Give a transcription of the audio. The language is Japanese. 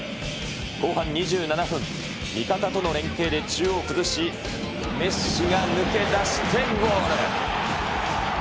後半２７分、味方との連係で中央を崩し、メッシが抜け出してゴール。